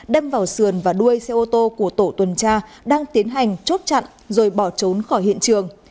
đâm vào sườn và đuôi xe ô tô của tổ tuần tra đang tiến hành chốt chặn rồi bỏ trốn khỏi hiện trường